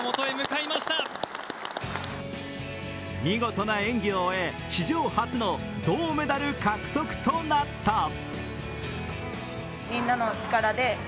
見事な演技を終え史上初の銅メダル獲得となった。